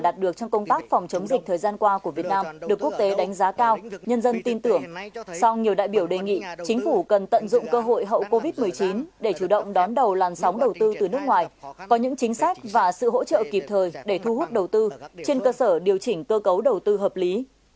trong nhiều đại biểu đề nghị chính phủ cần tận dụng cơ hội hậu covid một mươi chín để chủ động đón đầu làn sóng đầu tư từ nước ngoài có những chính sách và sự hỗ trợ kịp thời để thu hút đầu tư trên cơ sở điều chỉnh cơ cấu đầu tư hợp lý